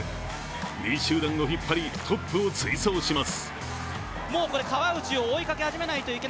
２位集団を引っ張り、トップを追走します。